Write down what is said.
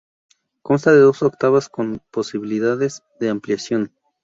Consta de dos octavas con posibilidades de ampliación.